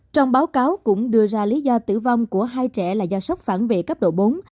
trong báo cáo cũng đưa ra lý do tử vong của hai trẻ là do sốc phản vệ cấp độ bốn